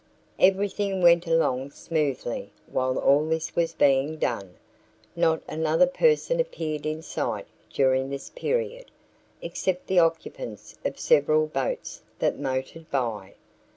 Everything went along smoothly while all this was being done. Not another person appeared in sight during this period, except the occupants of several boats that motored by.